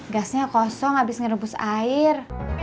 gasnya kosong habis ngerebus air